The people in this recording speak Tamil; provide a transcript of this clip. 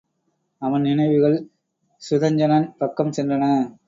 அவன் நினைவுகள் சுதஞ்சணன் பக்கம் சென்றன.